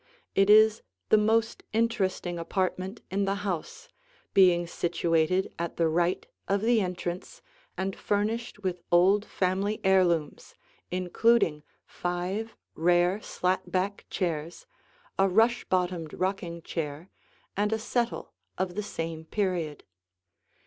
It is the most interesting apartment in the house, being situated at the right of the entrance and furnished with old family heirlooms, including five rare slat back chairs, a rush bottomed rocking chair, and a settle of the same period.